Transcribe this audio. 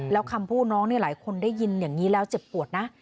แล้วคำพูดน้องนี่หลายคนได้ยินอย่างนี้แล้วเจ็บปวดนะ